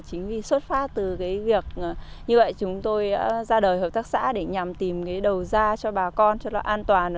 chính vì xuất phát từ việc như vậy chúng tôi ra đời hợp tác xã để nhằm tìm đầu da cho bà con cho nó an toàn